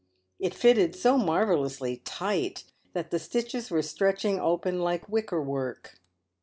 It fitted so marvellously tight that the stitches were stretching open like wickerwork.